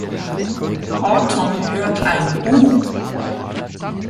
Horton hört ein Hu!